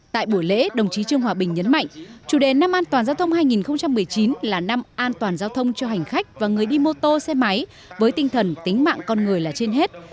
tại buổi lễ đồng chí trương hòa bình nhấn mạnh chủ đề năm an toàn giao thông hai nghìn một mươi chín là năm an toàn giao thông cho hành khách và người đi mô tô xe máy với tinh thần tính mạng con người là trên hết